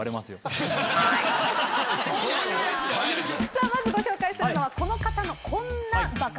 さあまずご紹介するのはこの方のこんなバカせまい史です。